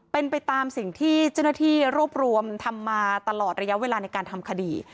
เป็นไปตามสิ่งที่เจ้าหน้าที่รวบรวมทำมาตลอดระยะเวลาในการทำคดี